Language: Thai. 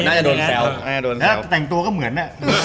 แล้วแต่งตัวก็เหมือน